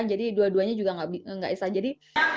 jadi dua duanya juga nggak bisa jadi